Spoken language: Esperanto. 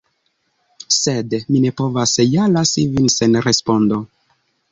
Sed mi ne povas ja lasi vin sen respondo.